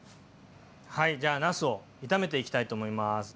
はいじゃあなすを炒めていきたいと思います。